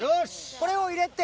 これを入れて。